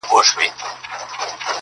چي ته ډنګر یې که خېټور یې!!